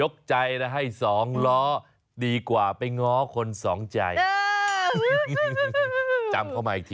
ขอบคุณค่ะ